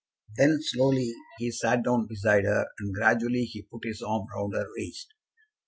Then slowly he sat down beside her, and gradually he put his arm round her waist.